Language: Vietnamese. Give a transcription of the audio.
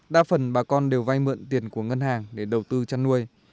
đa phần bà con đều vay mượn tiền của ngân hàng để đầu tư chăn nuôi